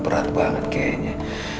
berat banget kayaknya